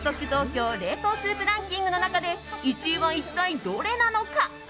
冷凍スープランキングの中で１位は一体どれなのか。